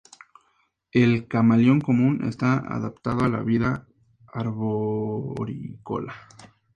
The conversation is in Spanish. El camaleón común está adaptado a la vida arborícola.